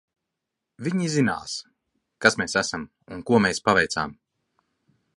Viņi zinās, kas mēs esam un ko mēs paveicām.